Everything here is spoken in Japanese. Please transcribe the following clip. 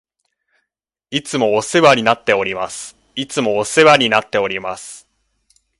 いつもお世話になっております。いつもお世話になっております。